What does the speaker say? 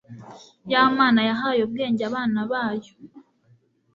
Ya Mana yahaye ubwenge abana bayo